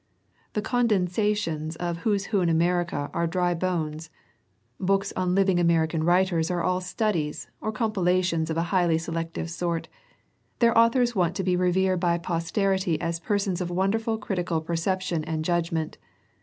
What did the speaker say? The con densations of Who's Who in America are dry bones; books on living American writers are all "studies" or compilations of a highly selective sort; their authors want to be revered by posterity as persons of won derful critical perception and judgment.